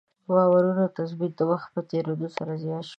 د باورونو تثبیت د وخت په تېرېدو سره زیات شو.